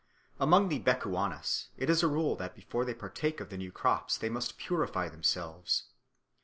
Among the Bechuanas it is a rule that before they partake of the new crops they must purify themselves.